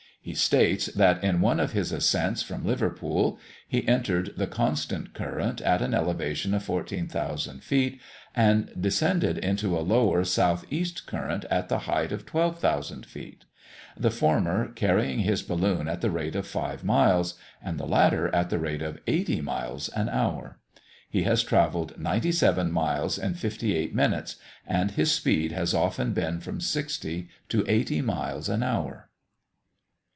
He states, that in one of his ascents from Liverpool, he entered the constant current at an elevation of 14,000 feet, and descended into a lower south east current at the height of 12,000 feet; the former carrying his balloon at the rate of five miles, and the latter at the rate of eighty miles an hour. He has travelled ninety seven miles in fifty eight minutes, and his speed has often been from sixty to eighty miles an hour.